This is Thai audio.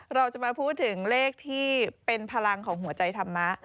เราจะมาพูดถึงเลขที่เป็นพลังของหัวใจธรรมะ